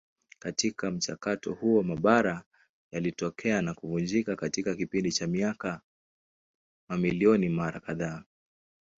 Katika mchakato huo mabara yalitokea na kuvunjika katika kipindi cha miaka mamilioni mara kadhaa.